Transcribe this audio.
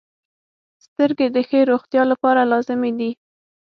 • سترګې د ښې روغتیا لپاره لازمي دي.